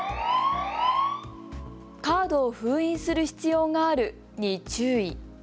カードを封印する必要があるに注意。